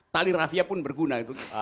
tali rafia pun berguna